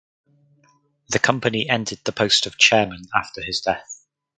The company ended the post of chairman after his death.